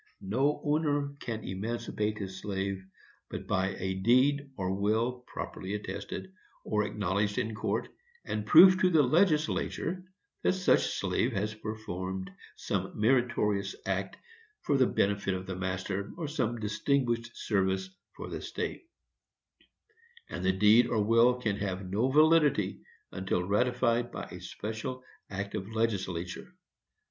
No owner can emancipate his slave, but by a deed or will properly attested, or acknowledged in court, and proof to the legislature that such slave has performed some meritorious act for the benefit of the master, or some distinguished service for the state; and the deed or will can have no validity until ratified by special act of legislature.